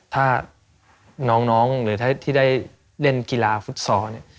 ถ้าน้องหรือที่ได้เล่นกีฬาฟุตซอล